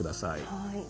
はい。